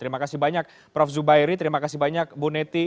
terima kasih banyak prof zubairi terima kasih banyak bu neti